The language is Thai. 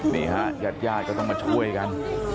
นี่ฮะยาดก็ต้องมาช่วยกัน